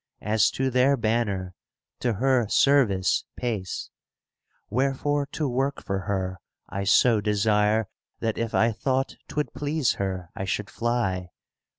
As to their banner, to her service pace: Wherefore to work for her I so desire That if I thought 'twould please her I should fly.